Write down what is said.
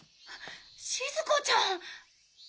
しずかちゃん。